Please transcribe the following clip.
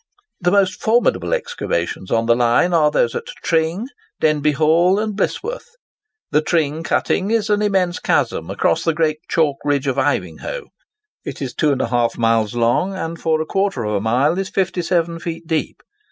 The most formidable excavations on the line are those at Tring, Denbigh Hall, and Blisworth. The Tring cutting is an immense chasm across the great chalk ridge of Ivinghoe. It is 2½ miles long, and for ¼ of a mile is 57 feet deep.